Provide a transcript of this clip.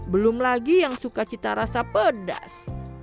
belum lagi yang suka cita rasa pedas